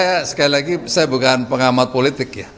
saya sekali lagi saya bukan pengamat politik ya